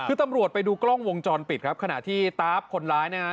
คือตำรวจไปดูกล้องวงจรปิดครับขณะที่ตาฟคนร้ายนะฮะ